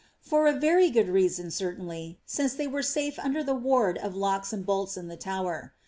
For a very good reason, certainly, since they were safe under the ward of locks and bolls in the Tower.